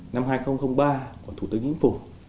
năm hai nghìn ba của thủ tướng yến phủ